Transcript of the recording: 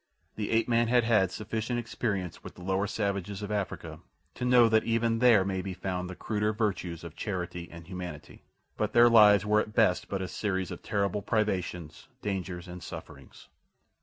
The ape man had had sufficient experience with the lower savages of Africa to know that even there may be found the cruder virtues of charity and humanity; but their lives were at best but a series of terrible privations, dangers, and sufferings.